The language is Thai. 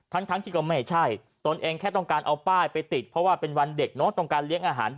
ทั้งที่ก็ไม่ใช่ตนเองแค่ต้องการเอาป้ายไปติดเพราะว่าเป็นวันเด็กเนาะ